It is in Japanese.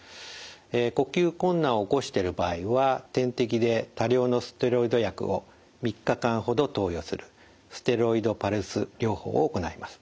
呼吸困難を起こしてる場合は点滴で多量のステロイド薬を３日間ほど投与するステロイドパルス療法を行います。